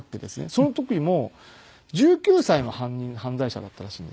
その時も１９歳の犯罪者だったらしいんですよ。